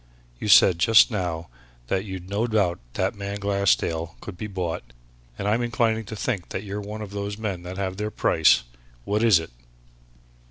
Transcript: "You said just now that you'd no doubt that man Glassdale could be bought, and I'm inclining to think that you're one of those men that have their price. What is it?"